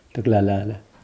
tức là là